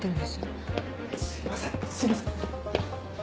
すいませんすいません。